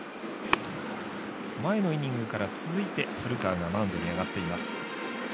前のイニングから続いて古川がマウンドに上がっています。